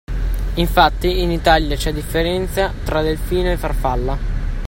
Infatti in Italia c’è differenza tra delfino e farfalla.